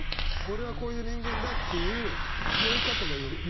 「俺はこういう人間だ」っていう酔い方がより引き立つというか。